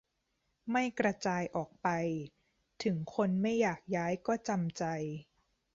ไม่กระจายออกไป ถึงคนไม่อยากย้ายก็จำใจ